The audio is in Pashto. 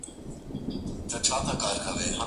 اې گوره تاته وايم_